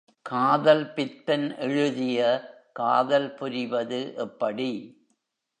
காதல் பித்தன் எழுதிய காதல் புரிவது எப்படி?